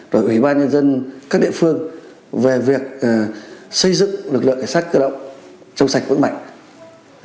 và ủy ban nhân dân các địa phương về việc xây dựng lực lượng cảnh sát cơ động trong sạch vững mạnh